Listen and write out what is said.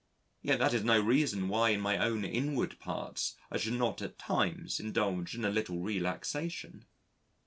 Yet that is no reason why in my own inward parts I should not at times indulge in a little relaxation.